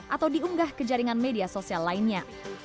atau diunggah ke jaringan media sosial lainnya